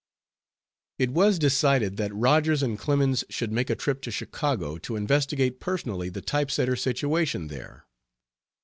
It was decided that Rogers and Clemens should make a trip to Chicago to investigate personally the type setter situation there.